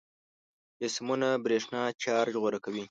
جسمونه برېښنايي چارج غوره کوي.